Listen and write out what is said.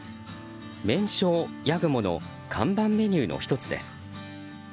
麺匠八雲の看板メニューの１つです。